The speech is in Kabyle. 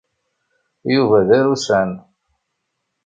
Yuba d arusan.